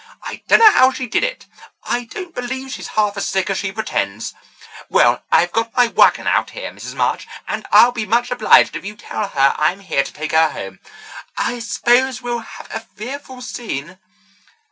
I dunno how she did it. I don't believe she's half as sick as she pretends. Well, I've got my wagon out here, Mrs. March, and I'll be much obliged if you'll tell her I'm here to take her home. I s'pose we'll have a fearful scene."